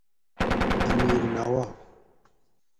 امیر نواب